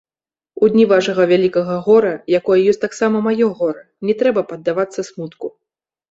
У дні вашага вялікага гора, якое ёсць таксама маё гора, не трэба паддавацца смутку.